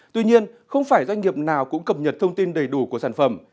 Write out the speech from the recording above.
tuy nhiên không phải doanh nghiệp nào cũng cập nhật thông tin đầy đủ của sản phẩm